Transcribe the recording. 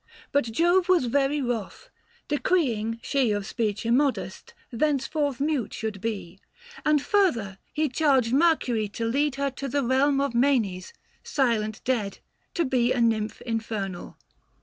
But Jove was very wroth — decreeing, she 650 Of speech immodest, thenceforth mute should be ; And further, he charged Mercury to lead Her to the realm of Manes — silent dead— To be a Nymph infernal.